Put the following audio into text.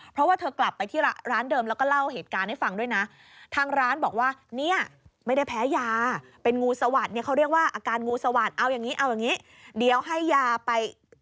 เพราะว่าเธอกลับไปที่ร้านเดิมแล้วก็เล่าเหตุการณ์ให้ฟังด้วยนะ